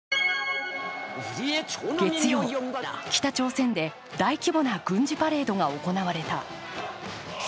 月曜、北朝鮮で大規模な軍事パレードが行われた。